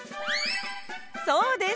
そうです。